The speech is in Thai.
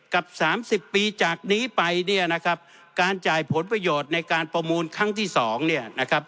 กับ๓๐ปีจากนี้ไปการจ่ายผลประโยชน์ในการประมูลครั้งที่๒